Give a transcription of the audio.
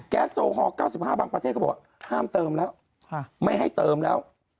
โซฮอล๙๕บางประเทศเขาบอกห้ามเติมแล้วไม่ให้เติมแล้ว